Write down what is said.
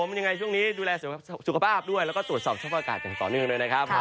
ยังไงช่วงนี้ดูแลสุขภาพด้วยแล้วก็ตรวจสอบสภาพอากาศอย่างต่อเนื่องด้วยนะครับ